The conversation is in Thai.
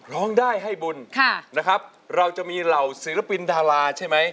ร้องได้ให้บุญค่ะนะครับเราจะมีเหล่าศิลปินดาราใช่ไหม